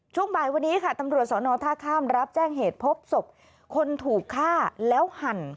ช่วงบ่ายวันนี้ค่ะตำรวจสอนอท่าข้ามรับแจ้งเหตุพบศพคนถูกฆ่าแล้วหั่น